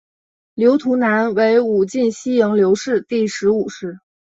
刘图南为武进西营刘氏第十五世。